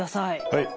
はい。